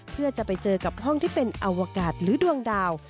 เพื่อจะไปเจอกับห้องที่เป็นอวกาศหรือดวงดาว